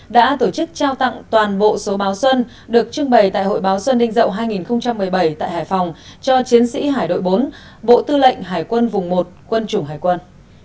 bàn bộ số báo xuân được trưng bày tại hội báo xuân đinh dậu hai nghìn một mươi bảy tại hải phòng cho chiến sĩ hải đội bốn bộ tư lệnh hải quân vùng một quân chủng hải quân